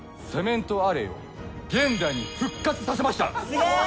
すげえ！